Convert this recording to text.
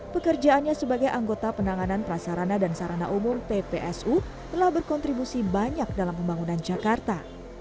pekerjaannya sebagai anggota penanganan prasarana dan sarana umum ppsu telah berkontribusi banyak dalam pembangunan jakarta